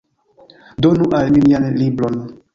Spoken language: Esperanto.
Donu al mi mian libron!